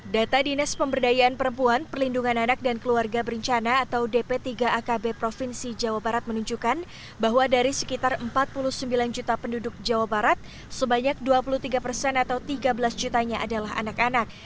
data dinas pemberdayaan perempuan perlindungan anak dan keluarga berencana atau dp tiga akb provinsi jawa barat menunjukkan bahwa dari sekitar empat puluh sembilan juta penduduk jawa barat sebanyak dua puluh tiga persen atau tiga belas jutanya adalah anak anak